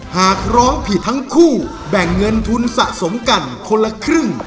หากร้องผิดทั้งคู่แบ่งเงินทุนสะสมกันคนละครึ่ง